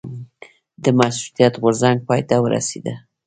د مشروطیت غورځنګ پای ته ورسیده.